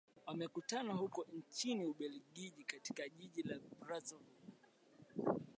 wamekutana huko nchini ubelgiji katika jiji la brussels